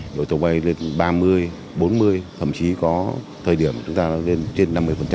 đổi tổng bay lên ba mươi bốn mươi thậm chí có thời điểm chúng ta lên trên năm mươi